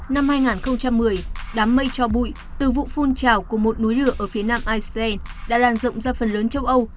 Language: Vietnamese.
năm hai nghìn một mươi đám mây cho bụi từ vụ phun trào của một núi lửa ở phía nam icel đã lan rộng ra phần lớn châu âu